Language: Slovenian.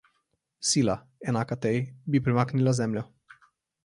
Sila, enaka tej, bi premaknila Zemljo.